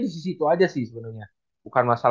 di sisi itu aja sih sebenernya